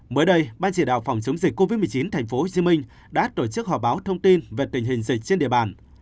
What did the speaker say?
mới đây ban chỉ đạo phòng chống dịch covid một mươi chín tp hcm đã tổ chức họp báo thông tin về tình hình dịch trên địa bàn